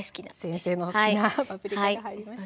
先生のお好きなパプリカが入りました。